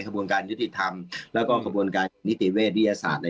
กระบวนการยุติธรรมแล้วก็กระบวนการนิติเวชวิทยาศาสตร์